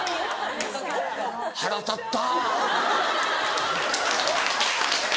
腹立った。